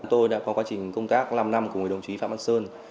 tôi đã có quá trình công tác năm năm cùng với đồng chí phạm văn sơn